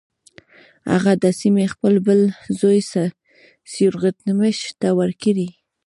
هغه دا سیمې خپل بل زوی سیورغتمش ته ورکړې.